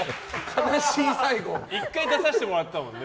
１回出させてもらったもんね